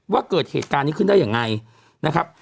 ว่าเกิดเหตุการณ์นี้ขึ้นได้ยังไงนะครับ